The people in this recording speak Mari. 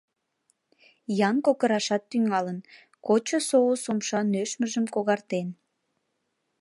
Ян кокырашат тӱҥалын: кочо соус умша нӧшмыжым когартен.